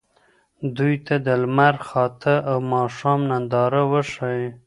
دوی ته د لمر خاته او ماښام ننداره وښایئ.